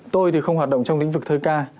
tôi thì không hoạt động trong lĩnh vực thơ ca